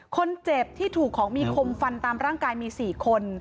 คนเจ็บที่ถูกของมีคมฟันตามร่างกายมี๔คน